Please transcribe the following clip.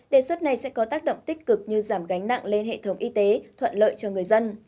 đề xuất này sẽ có tác động tích cực như giảm gánh nặng lên hệ thống y tế thuận lợi cho người dân